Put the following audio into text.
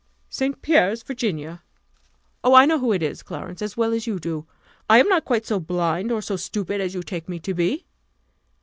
"St. Pierre's Virginia! Oh, I know who it is, Clarence, as well as you do. I am not quite so blind, or so stupid, as you take me to be."